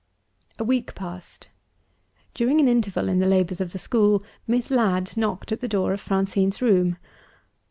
A week passed. During an interval in the labors of the school, Miss Ladd knocked at the door of Francine's room.